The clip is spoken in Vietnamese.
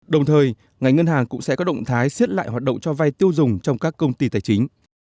đồng thời ngành ngân hàng cũng sẽ có động thái xiết lại hoạt động cho vai tiêu dùng trong các công ty tài chính